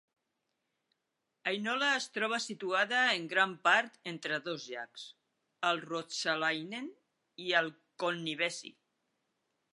Heinola es troba situada en gran part entre dos llacs, el Ruotsalainen i el Konnivesi.